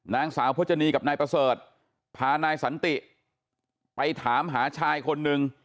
นางสาวพจนีกับนายประเสริฐพานายสันติไปถามหาชายคนนึง